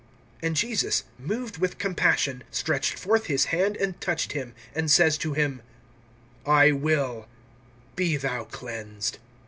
(41)And Jesus, moved with compassion, stretched forth his hand and touched him, and says to him: I will; be thou cleansed.